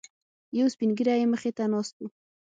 یو سپینږیری یې مخې ته ناست و.